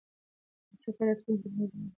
هر څه به په راتلونکي کې د نجونو لپاره سم شي.